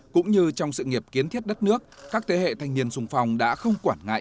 cũng như trong sự nghiệp kiến thiết đất nước các thế hệ thanh niên sung phong đã không quản ngại